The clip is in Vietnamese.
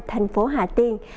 thành phố hà tiên